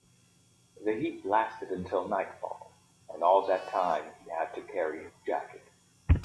The heat lasted until nightfall, and all that time he had to carry his jacket.